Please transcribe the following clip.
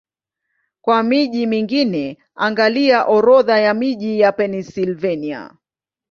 Kwa miji mingine, angalia Orodha ya miji ya Pennsylvania.